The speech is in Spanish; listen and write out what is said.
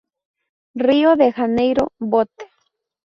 Rio de Janeiro, Bot.